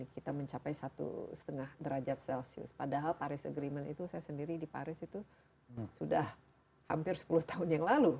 kita mencapai satu lima derajat celcius padahal paris agreement itu saya sendiri di paris itu sudah hampir sepuluh tahun yang lalu